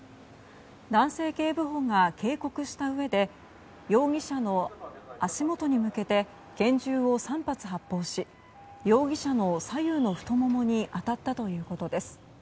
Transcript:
男性警部補が警告したうえで容疑者の足元に向けて拳銃を３発発砲し容疑者の左右の太ももに当たったということです。